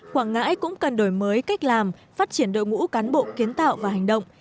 quảng ngãi cũng cần đổi mới cách làm phát triển đội ngũ cán bộ kiến tạo và hành động